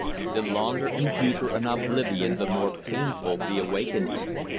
The longer and deeper an oblivion the more painful the awakening.